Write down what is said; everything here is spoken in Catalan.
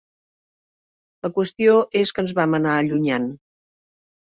La qüestió és que ens vam anar allunyant.